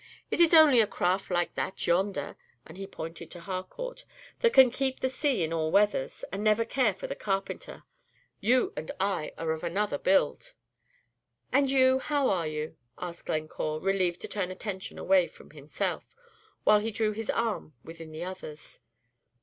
It is only a craft like that yonder," and he pointed to Harcourt, "that can keep the sea in all weathers, and never care for the carpenter. You and I are of another build." "And you how are you?" asked Glencore, relieved to turn attention away from himself, while he drew his arm within the other's.